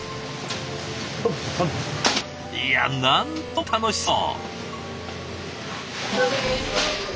いやなんとも楽しそう。